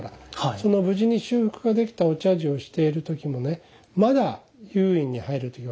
その無事に修復ができたお茶事をしている時もねまだ又隠に入る時私は圧を感じます。